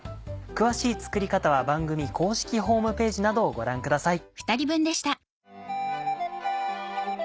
詳しい作り方は番組公式ホームページなどをご覧ください。